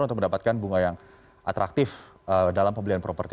untuk mendapatkan bunga yang atraktif dalam pembelian properti